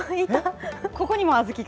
ここにも小豆が。